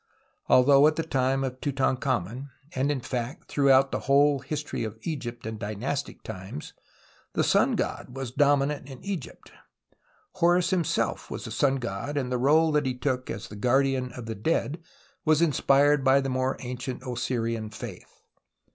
Althougli at the time of Tutankliamen, and in fact throughout the whole history of Egypt in dynastic limes the sun god was dominant in Egypt and Horus himself was a sun god, the role that he took as the guardian of the dead was inspired by the more ancient Osirian faitli.